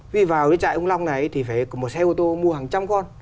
vì vào trại ông long này thì phải một xe ô tô mua hàng trăm con